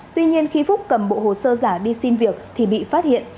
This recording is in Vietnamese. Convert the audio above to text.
tuy nhiên khi phúc cầm bộ hồ sơ giả đi xin việc thì bị phát hiện